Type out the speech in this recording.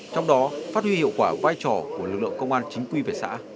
trong đó phát huy hiệu quả vai trò của lực lượng công an chính quy về xã